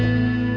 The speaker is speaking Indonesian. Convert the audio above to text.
oke sampai jumpa